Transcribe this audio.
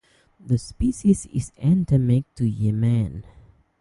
The species is endemic to Yemen.